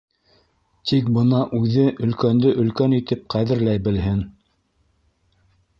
Тик бына үҙе өлкәнде өлкән итеп ҡәҙерләй белһен.